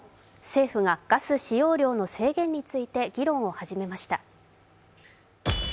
政府がガス使用量の制限について議論を始めました。